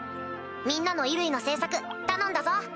みんなの衣類の製作頼んだぞ！